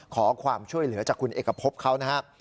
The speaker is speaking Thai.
ขอความช่วยเหลือจากคุณเอกพบเขานะครับ